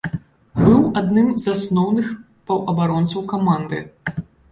Быў адным з асноўных паўабаронцаў каманды.